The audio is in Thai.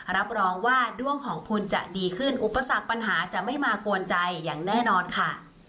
รับรองว่าด้วงของคุณจะดีขึ้นอุปสรรคปัญหาจะไม่มากวนใจอย่างแน่นอนค่ะ